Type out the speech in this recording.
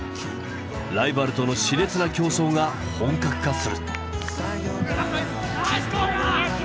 ライバルとの熾烈な競争が本格化する。